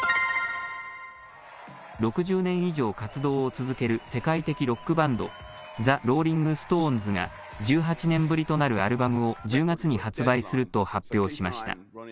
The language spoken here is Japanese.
６０年以上活動を続ける世界的ロックバンド、ザ・ローリング・ストーンズが１８年ぶりとなるアルバムを１０月に発売すると発表しました。